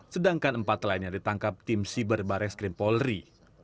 sedangkan empat lainnya ditangkap tim siber barek skrim polri